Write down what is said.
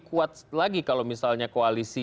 kuat lagi kalau misalnya koalisi